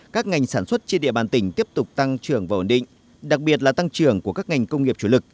các ngành sản xuất trên địa bàn tỉnh tiếp tục tăng trưởng và ổn định đặc biệt là tăng trưởng của các ngành công nghiệp chủ lực